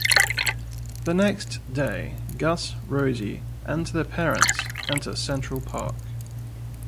The next day, Gus, Rosie, and their parents enter Central Park.